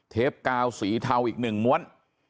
กาวสีเทาอีกหนึ่งม้วน